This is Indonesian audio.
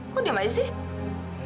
kok diam aja sih